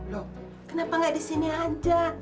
loh kenapa nggak di sini aja